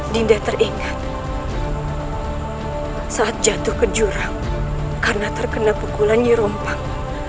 dinda teringat saat jatuh ke jurang karena terkena pukulan yerumpang